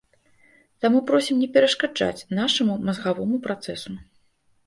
Таму просім не перашкаджаць нашаму мазгавому працэсу.